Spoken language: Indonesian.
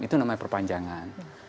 itu namanya perpanjangan